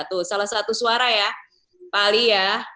tuh salah satu suara ya pali ya